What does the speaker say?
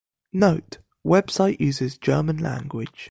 Note- Website uses German language.